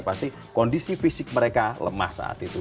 pasti kondisi fisik mereka lemah saat itu